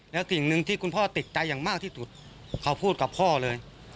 แล้วสิ่งหนึ่งที่คุณพ่อติดใจอย่างมากที่สุดเขาพูดกับพ่อเลย